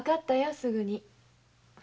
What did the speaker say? すぐに。